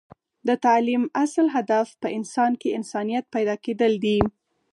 د تعلیم اصل هدف په انسان کې انسانیت پیدا کیدل دی